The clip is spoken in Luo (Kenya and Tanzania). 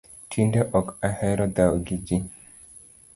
Tinde ok ahero dhao gi jii